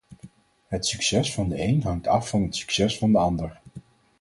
Het succes van de een hangt af van het succes van de ander.